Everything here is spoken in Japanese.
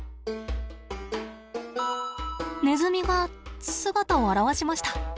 ネズミが姿を現しました。